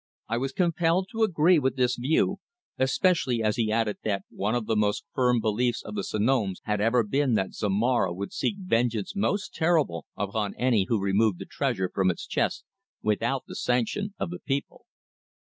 I was compelled to agree with this view, especially as he added that one of the most firm beliefs of the Sanoms had ever been that Zomara would send vengeance most terrible upon any who removed the treasure from its chests without the sanction of the people.